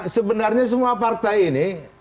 sebenarnya semua partai ini